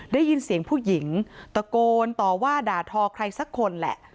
ได้ยินเสียงผู้หญิงตะโกนต่อว่าด่าทอใครสักคนแหละ